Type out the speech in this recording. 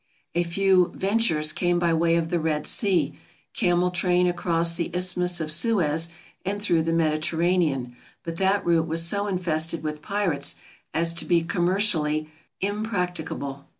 A few "ventures" came by way of the Red Sea, camel train across the Isthmus of Suez, and through the Mediterranean; but that route was so infested with pirates as to be commercially im practicable.